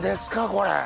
これ。